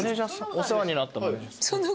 お世話になった。